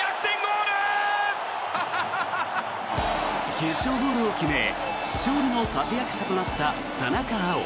決勝ゴールを決め勝利の立役者となった田中碧。